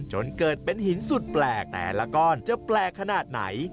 จนเกิดเป็นหินสุดแปลกแต่ละก้อนจะแปลกขนาดไหน